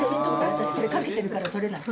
私これかけてるから撮れない。